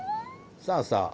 さあさあ